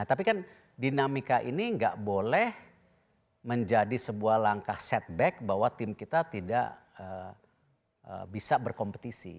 tapi kan dinamika ini nggak boleh menjadi sebuah langkah setback bahwa tim kita tidak bisa berkompetisi